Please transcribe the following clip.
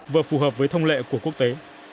và phù hợp với thông lệ của quốc tế